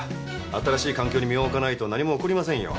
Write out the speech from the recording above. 新しい環境に身を置かないと何も起こりませんよ。